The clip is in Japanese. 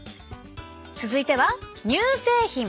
続いては乳製品。